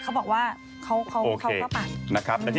เข้าบอกว่าเขาปัด